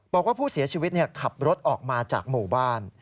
บอกว่าผู้เสียชีวิตขับรถออกมาจากหมู่บ้าน